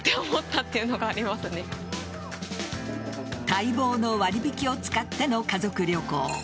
待望の割引を使っての家族旅行。